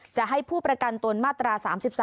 จะให้ผู้ประกันตนมาตรา๓๓